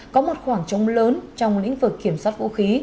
có một khoảng trống lớn trong lĩnh vực kiểm soát vũ khí